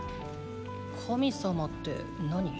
神様って何？